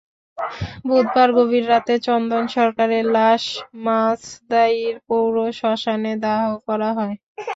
বুধবার গভীর রাতে চন্দন সরকারের লাশ মাসদাইর পৌর শ্মশানে দাহ করা হয়।